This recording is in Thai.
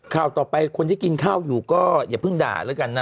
ข่าวต่อไปคนที่กินข้าวอยู่ก็อย่าเพิ่งด่าแล้วกันนะ